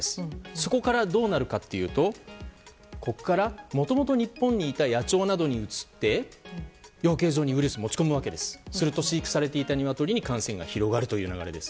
そこからどうなるかというとここからもともと日本にいた野鳥などにうつって養鶏場にウイルスを持ち込み飼育されたニワトリに感染が広がるという流れです。